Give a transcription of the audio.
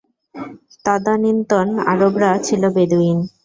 তদানীন্তন আরবরা ছিল বেদুঈন।